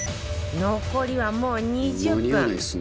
残りはもう２０分